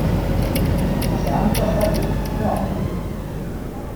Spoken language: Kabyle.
Tesɛam taxatemt, naɣ?